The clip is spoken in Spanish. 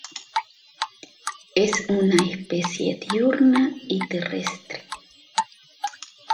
Es una especie diurna y terrestre.